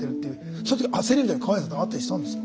その時焦りみたいなの川栄さんとかあったりしたんですか。